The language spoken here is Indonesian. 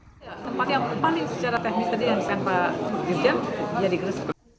tempat yang paling secara teknis tadi yang sempat dirjen jadi gresik